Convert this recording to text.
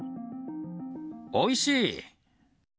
おいしい！